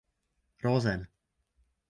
Rosen.